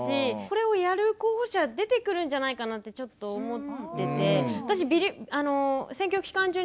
これをやる候補者出てくるんじゃないかなってちょっと思ってて。